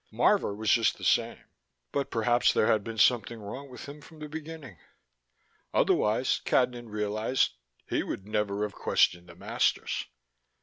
Marvor was just the same but perhaps there had been something wrong with him from the beginning. Otherwise, Cadnan realized, he would never have questioned the masters.